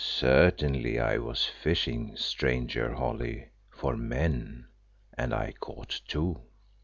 "Certainly I was fishing, stranger Holly for men, and I caught two."